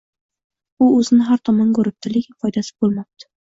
U o‘zini har tomonga uribdi, lekin foydasi bo‘lmabdi